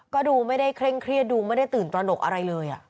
ก็ดูไม่ได้เคร่งเครียดดูไม่ได้ตื่นตระหนกอะไรเลย